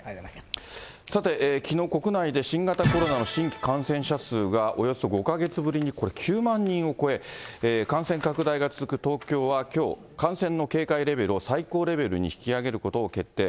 さて、きのう国内で新型コロナの新規感染者数がおよそ５か月ぶりにこれ、９万人を超え、感染拡大が続く東京は、きょう、感染の警戒レベルを最高レベルに引き上げることを決定。